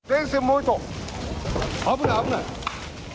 危ない、危ない。